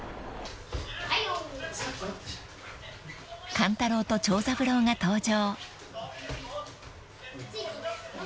［勘太郎と長三郎が登場］